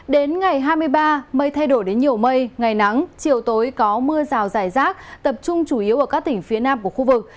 đến ngày hai mươi ba mây thay đổi đến nhiều mây ngày nắng chiều tối có mưa rào rải rác tập trung chủ yếu ở các tỉnh phía nam của khu vực